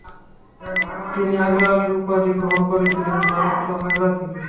তিনি আগ্রেওয়ালি উপাধি গ্রহণ করেছিলেন যার অর্থ "আগ্রা থেকে"।